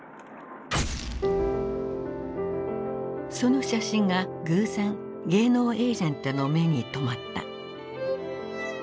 その写真が偶然芸能エージェントの目に留まった。